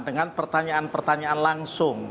dengan pertanyaan pertanyaan langsung